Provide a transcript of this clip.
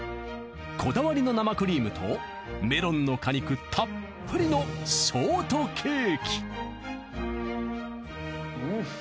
こだわりの生クリームとメロンの果肉たっぷりのショートケーキ。